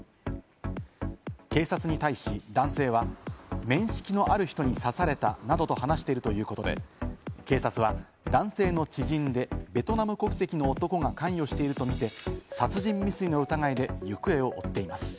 警察に対し男性は、面識のある人に刺されたなどと話しているということで、警察は男性の知人でベトナム国籍の男が関与しているとみて、殺人未遂の疑いで行方を追っています。